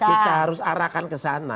jadi kita harus arahkan kesana